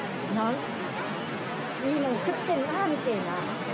いいもん食ってんなーみたいな。